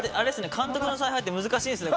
監督の采配って難しいですね。